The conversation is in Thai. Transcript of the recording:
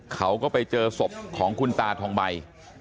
เขาก็ไปเจอศพของคุณตาทองใบ